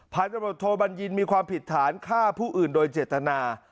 ผ่านปฏิบัติโทษมันยินมีความผิดฐานฆ่าผู้อื่นโดยเจตนา